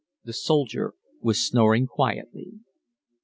The soldier was snoring quietly.